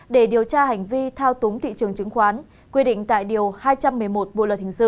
để điều tra hành vi thao túng thị trường chứng khoán quy định tại điều hai trăm một mươi một bộ luật hình sự